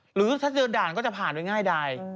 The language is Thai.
หรือถ้าเจอด่านก็จะผ่านไปง่ายดาย